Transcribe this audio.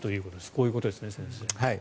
こういうことですね、先生。